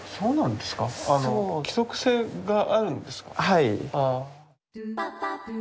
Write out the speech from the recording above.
はい。